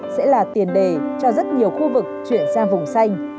sẽ là tiền đề cho rất nhiều khu vực chuyển sang vùng xanh